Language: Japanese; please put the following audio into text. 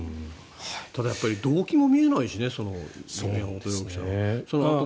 ただ、動機も見えないしね宮本容疑者の。